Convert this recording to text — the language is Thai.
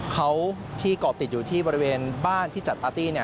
เขาที่เกาะติดอยู่ที่บริเวณบ้านที่จัดปาร์ตี้